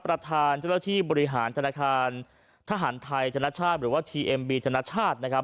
ประธานเจ้าหน้าที่บริหารธนาคารทหารไทยธนชาติหรือว่าทีเอ็มบีธนชาตินะครับ